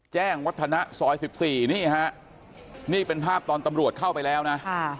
แจ้งวัฒนะซอย๑๔นี่ฮะนี่เป็นภาพตอนตำรวจเข้าไปแล้วนะ